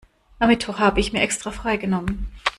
Am Mittwoch habe ich mir extra freigenommen.